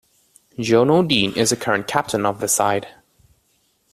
Jono Dean is the current captain of the side.